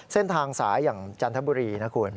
เส้นทางสายอย่างจันทบุรีนะคุณ